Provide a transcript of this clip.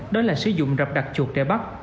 đó là sử dụng rập đặt chuột để bắt